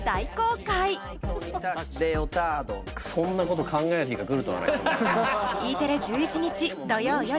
そんなこと考える日がくるとはね。